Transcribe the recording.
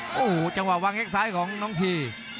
โอ้โหจังหวะหว่างแคร่งซ้ายของน้องภีร์